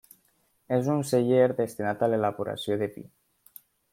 És un celler destinat a l'elaboració de vi.